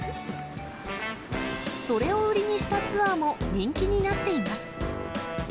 それを売りにしたツアーも人気になっています。